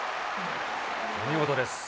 お見事です。